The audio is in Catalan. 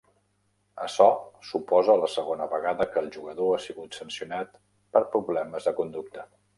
Açò suposa la segona vegada que el jugador ha sigut sancionat per problemes de conducta.